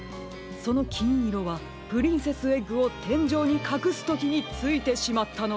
そのきんいろはプリンセスエッグをてんじょうにかくすときについてしまったのでは。